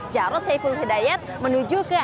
jarot saiful hidayat menuju ke andalusia